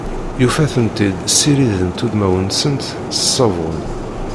Yufa-tent-id ssirident udmawen-nsent s ssabun.